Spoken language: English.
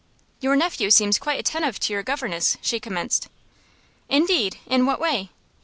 "Your nephew seems quite attentive to your governess," she commenced. "Indeed! In what way?"